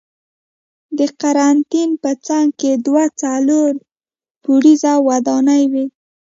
د قرنتین په څنګ کې دوه څلور پوړیزه ودانۍ وې.